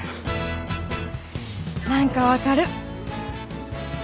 何か分かる。